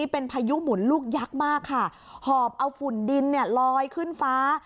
เป็นพายุหมุนลูกยักษ์มากค่ะหอบเอาฝุ่นดินเนี่ยลอยขึ้นฟ้า